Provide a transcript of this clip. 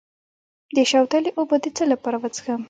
د شوتلې اوبه د څه لپاره وڅښم؟